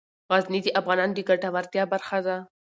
غزني د افغانانو د ګټورتیا برخه ده.